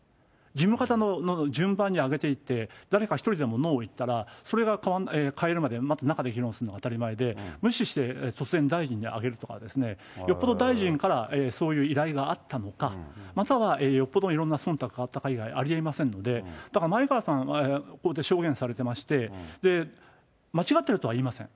事務方の順番に上げていって、誰か一人でもＮＯを言ったら、それがかえるまで、中で議論するのは当たり前で、無視して突然、大臣に上げるとか、よっぽど大臣からそういう依頼があったのか、または、よっぽどのいろんなそんたくがあったかいがい、ありえませんので、だから前川さん、こうやって証言されていまして、間違っているとは言いません。